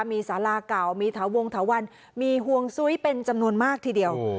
มีสาราเก่ามีถาวงถาวันมีห่วงซุ้ยเป็นจำนวนมากทีเดียว